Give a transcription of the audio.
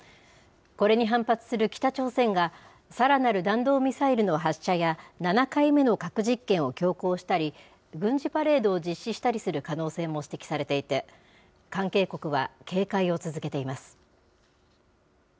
これに反発する北朝鮮がさらなる弾道ミサイルの発射や、７回目の核実験を強行したり、軍事パレードを実施したりする可能性も指摘されていて、関係国は警戒を続けています。